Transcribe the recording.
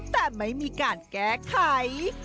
แต่ไม่มีการแก้ไข